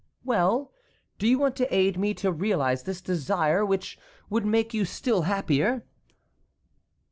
"Well, do you want to aid me to realize this desire, which would make you still happier?"